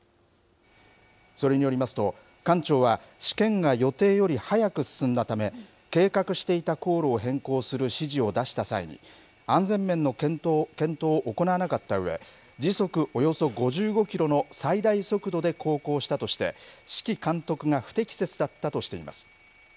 それによりますと、艦長は試験が予定より早く進んだため、計画していた航路を変更する指示を出した際に、安全面の検討を行わなかったうえ、時速およそ５５キロの最大速度で航行したとして、指揮監督が不適切だったとしています。